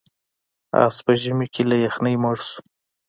اس په ژمي کې له یخنۍ مړ شو.